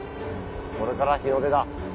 これから日の出だ。